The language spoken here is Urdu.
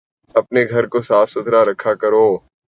اپنے گھر کو صاف ستھرا رکھا کرو